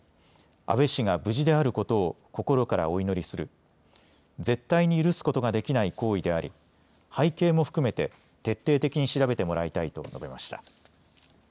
安倍氏が無事であることを心からお祈りする絶対に許すことができない行為であり背景も含めて徹底的に調べてもらいたいと述べました。